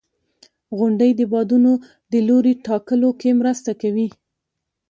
• غونډۍ د بادونو د لوري ټاکلو کې مرسته کوي.